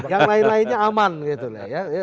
yang lain lainnya aman gitu loh ya